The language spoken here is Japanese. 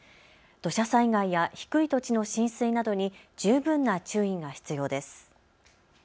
土砂災害や低い土地の浸水などに十分な注意が必要です。